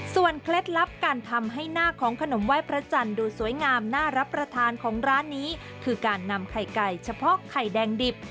เคล็ดลับการทำให้หน้าของขนมไหว้พระจันทร์ดูสวยงามน่ารับประทานของร้านนี้คือการนำไข่ไก่เฉพาะไข่แดงดิบ